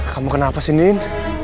kamu kenapa sih nien